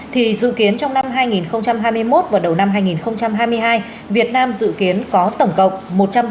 thì dự kiến trong năm hai nghìn hai mươi một và đầu năm hai nghìn hai mươi hai việt nam dự kiến có tổng cộng một trăm bảy mươi năm triệu liều vaccine